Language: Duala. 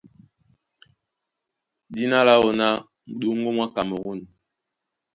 Dína láō ná Muɗóŋgó mwá Kamerûn.